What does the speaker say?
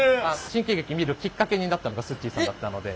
新喜劇見るきっかけになったのがすっちーさんだったので。